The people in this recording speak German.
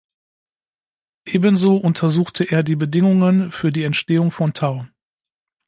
Ebenso untersuchte er die Bedingungen für die Entstehung von Tau.